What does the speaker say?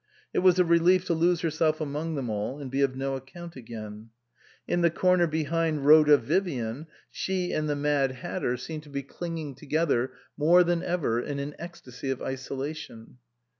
It was a relief to lose herself among them all and be of no account again. In the corner behind Rhoda Vivian she and the Mad Hatter 309 SUPERSEDED seemed to be clinging together more than ever in an ecstasy of isolation.